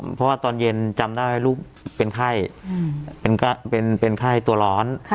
เพราะว่าตอนเย็นจำได้ว่าลูกเป็นไข้เป็นไข้ตัวร้อน